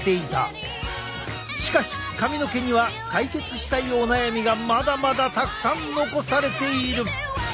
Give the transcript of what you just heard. しかし髪の毛には解決したいお悩みがまだまだたくさん残されている。